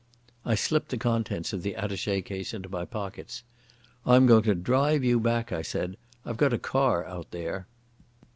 I slipped the contents of the attache case into my pockets. "I'm going to drive you back," I said. "I've got a car out there."